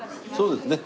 そうですね。